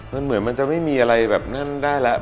มันเหมือนมันจะไม่มีอะไรแบบนั้นได้แล้ว